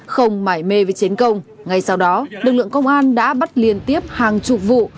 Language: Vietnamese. không mải mê với chiến công ngay sau đó lực lượng công an đã bắt liên tiếp hàng chục vụ